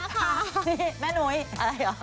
นี้แม่หนุ้ยอะไรอ่ะ